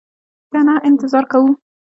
که نه انتظار کوو.